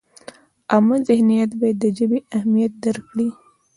عامه ذهنیت باید د ژبې اهمیت درک کړي.